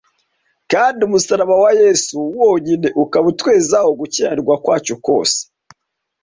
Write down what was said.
kandi umusaraba wa Yesu wonyine ukaba utwezaho gukiranirwa kwacu kose